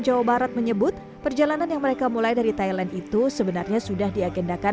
jawa barat menyebut perjalanan yang mereka mulai dari thailand itu sebenarnya sudah diagendakan